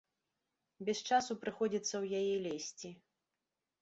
Без часу прыходзіцца ў яе лезці.